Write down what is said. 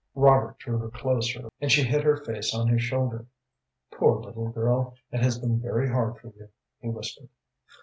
Robert drew her closer, and she hid her face on his shoulder. "Poor little girl, it has been very hard for you," he whispered.